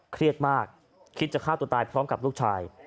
เครียดมากคิดจะฆ่าตัวตายพร้อมกับลูกชาย